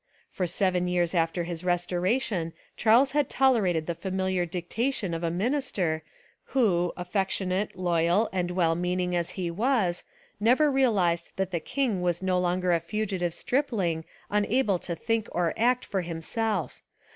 For seven years after his res toration Charles had tolerated the familiar* dictation of a minister who, affectionate, loyal 304 A Rehabilitation of Charles II and well meaning as he was, never realised that the king was no longer a fugitive stripling un able to think or act for himself.